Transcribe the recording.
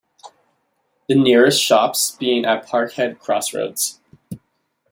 The nearest shops being at Parkhead crossroads.